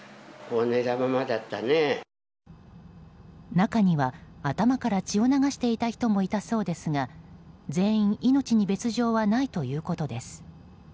中には頭から血を流していた人もいたそうですが全員、命に別条はないということです。